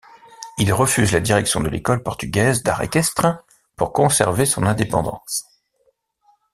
Il refuse la direction de l'école portugaise d'art équestre pour conserver son indépendance.